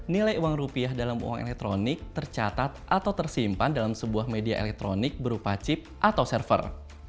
nilai uang rupiah dalam uang elektronik tercatat atau tersimpan dalam sebuah media elektronik berupa chip atau server